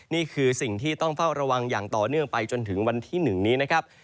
นี่คือสิ่งที่ต้องเฝ้าระวังอย่างต่อเนื่องไปจนถึงวันที่๑นี้นะครับ